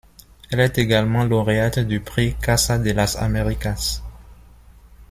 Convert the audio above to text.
Elle est également lauréate du Prix Casa de las Americas.